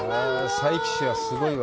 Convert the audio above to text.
佐伯市はすごいわ。